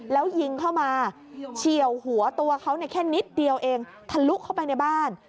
แล้วยิงเข้ามาเฉียวหัวตัวเขาแค่นิดเดียวเองทะลุเข้าไปในบ้าน